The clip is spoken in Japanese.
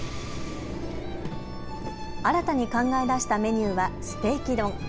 新たに考え出したメニューはステーキ丼。